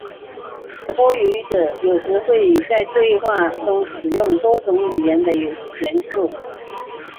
多语者有时会在对话中使用多种语言的元素。